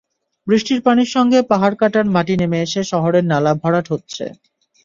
বৃষ্টির পানির সঙ্গে পাহাড় কাটার মাটি নেমে এসে শহরের নালা ভরাট হচ্ছে।